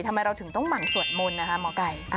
ทำไมเราถึงต้องหมั่งสวดมนต์นะคะหมอไก่